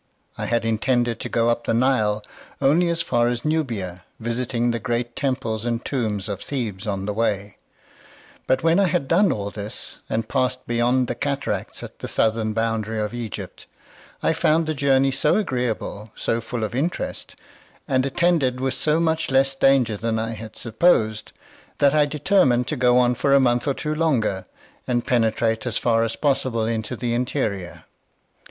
I had intended to go up the Nile only as far as Nubia, visiting the great temples and tombs of Thebes on the way; but when I had done all this, and passed beyond the cataracts at the southern boundary of Egypt, I found the journey so agreeable, so full of interest, and attended with so much less danger than I had supposed, that I determined to go on for a month or two longer, and penetrate as far as possible into the interior.